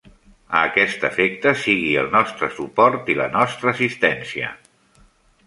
A aquest efecte, sigui el nostre suport i la nostra assistència.